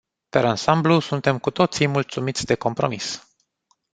Per ansamblu, suntem cu toții mulțumiți de compromis.